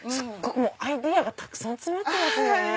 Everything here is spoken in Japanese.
アイデアがたくさん詰まってますね。